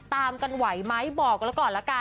ตามกันไหวไหมบอกแล้วก่อนละกัน